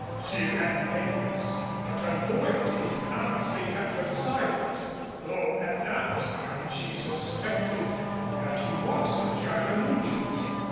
She read the papers, but her loyalty to Hammersley kept her silent, though at that time she suspected that he was a German agent."